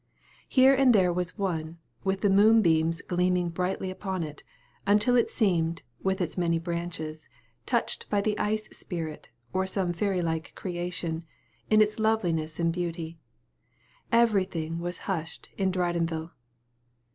Here and there was one, with the moonbeams gleaming brightly upon it, until it seemed, with its many branches, touched by the ice spirit, or some fairy like creation, in its loveliness and beauty. Every thing was hushed in Dridonville.